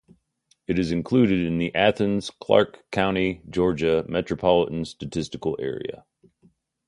It is included in the Athens-Clarke County, Georgia Metropolitan Statistical Area.